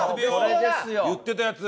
言ってたやつ。